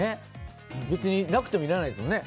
別になくてもいらないですもんね。